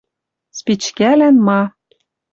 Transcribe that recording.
Спичкӓлӓн ма